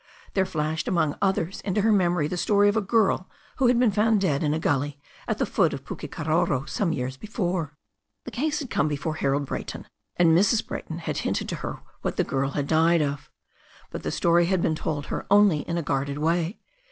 There flashed among others into her memory the story of a girl who had been found dead in a gully at the foot of Pukekaroro some years before. The case had come before Harold Brayton, and Mrs. Bra)rton had hinted to her what the girl had died ©f. But the story had been told her only in a guarded way.